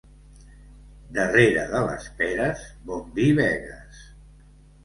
Darrere de les peres bon vi begues.